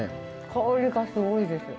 香りがすごいです。